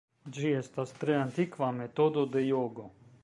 Ĝi estas tre antikva metodo de jogo.